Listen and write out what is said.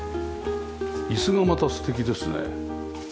椅子がまた素敵ですね。